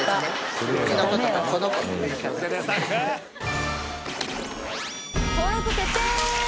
登録決定！